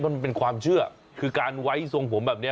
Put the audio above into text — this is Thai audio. มันเป็นความเชื่อคือการไว้ทรงผมแบบนี้